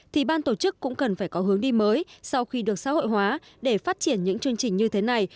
thì ban tổ chức cũng cần phải có hướng đi mới sau khi được xã hội hóa để phát triển những chương trình như thế này